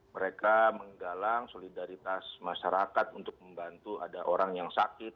mereka menggalang solidaritas masyarakat untuk membantu ada orang yang sakit